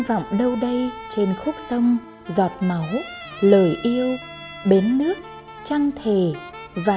với những tình yêu đã đưa sông âu lâu trở thành dòng sông thi ca